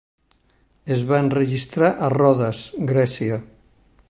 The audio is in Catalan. Es va enregistrar a Rodes, Grècia.